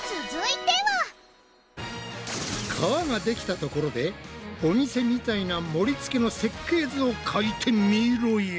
皮ができたところでお店みたいな盛りつけの設計図を描いてみろや！